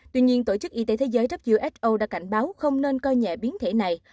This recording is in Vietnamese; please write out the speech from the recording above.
tuy nhiên tổ chức y tế thế giới who đã cảnh báo không nên coi nhẹ biến thể này